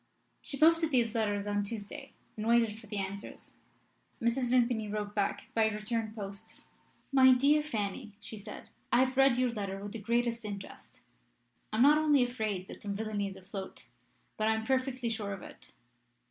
She posted these letters on Tuesday, and waited for the answers. Mrs. Vimpany wrote back by return post. "My dear Fanny," she said, "I have read your letter with the greatest interest. I am not only afraid that some villainy is afloat, but I am perfectly sure of it.